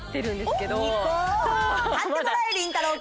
そう買ってもらいりんたろー。